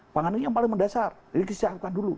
pangan ini yang paling mendasar ini disiapkan dulu